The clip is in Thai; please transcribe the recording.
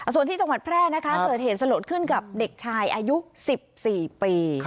ส่วนที่จังหวัดแพร่นะคะเกิดเหตุสลดขึ้นกับเด็กชายอายุ๑๔ปี